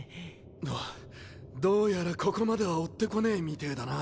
あどうやらここまでは追って来ねえみてぇだな。